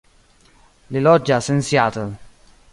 Li loĝas en Seattle.